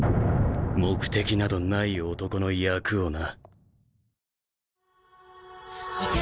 目的などない男の役をな